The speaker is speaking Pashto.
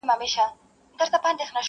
لټوم بایللی هوښ مي ستا په سترګو میخانو کي,